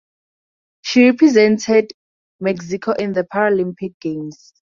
She represented Mexico in the Paralympic Games.